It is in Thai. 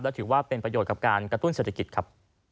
และถือว่าเป็นประโยชน์กับการกระตุ้นเศรษฐกิจครับ